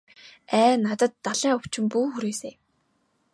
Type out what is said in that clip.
Ай надад далайн өвчин бүү хүрээсэй.